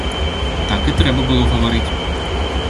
Так і трэба было гаварыць.